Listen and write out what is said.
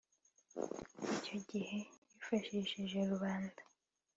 Icyo gihe yifashishije Rubanda